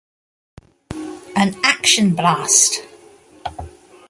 An Action Blast!